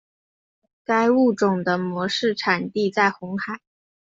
该物种的模式产地在红海。